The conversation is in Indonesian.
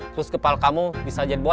terus kepala kamu bisa jadi dua